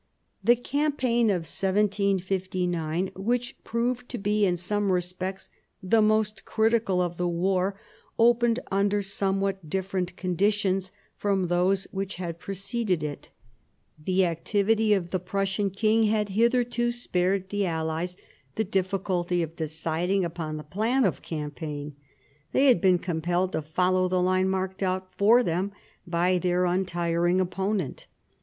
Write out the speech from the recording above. The campaign of 1759, which proved to be in some respects the most critical of the war, opened under somewhat different conditions from those which had preceded it The activity of the Prussian king had hitherto spared the allies the difficulty of deciding upon the plan of campaign. They had been compelled to follow the line marked out for them by their untiring op ponent.